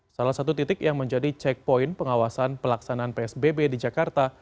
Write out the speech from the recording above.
salah satu titik yang menjadi checkpoint pengawasan pelaksanaan psbb di jakarta